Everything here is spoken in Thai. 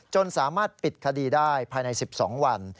สามารถปิดคดีได้ภายใน๑๒วัน